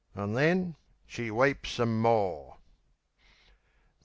An' then she weeps some more.